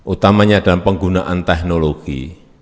utamanya dalam penggunaan teknologi